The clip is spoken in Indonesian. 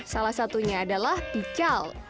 salah satunya adalah pical